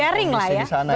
bisa sharing lah ya